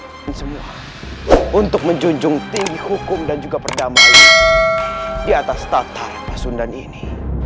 semoga semua untuk menjunjung tinggi hukum dan juga perdamaian di atas tatar pasundan ini